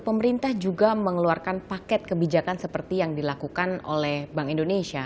pemerintah juga mengeluarkan paket kebijakan seperti yang dilakukan oleh bank indonesia